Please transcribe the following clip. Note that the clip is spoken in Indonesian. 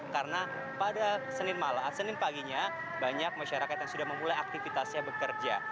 karena pada senin paginya banyak masyarakat yang sudah memulai aktivitasnya bekerja